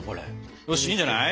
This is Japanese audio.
よしいいんじゃない？